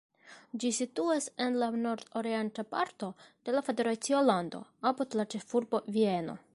Ĝi situas en la nordorienta parto de la federacia lando, apud la ĉefurbo Vieno.